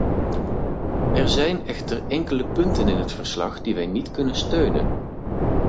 Er zijn echter enkele punten in het verslag die wij niet kunnen steunen.